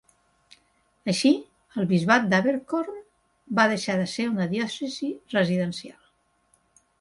Així, el bisbat d'Abercorn va deixar de ser una diòcesi residencial.